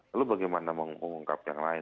lalu bagaimana mengungkap yang lain